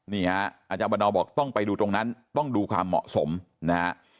นี่ฮะอาจารย์วันนอบอกต้องไปดูตรงนั้นต้องดูความเหมาะสมนะฮะ